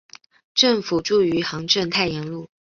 政府驻余杭镇太炎路。